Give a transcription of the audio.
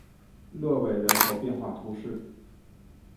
勒韦人口变化图示